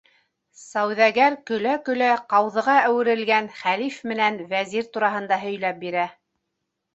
Сауҙагәр көлә-көлә ҡауҙыға әүерелгән хәлиф менән вәзир тураһында һөйләп бирә.